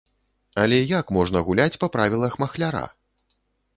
Але як можна гуляць па правілах махляра?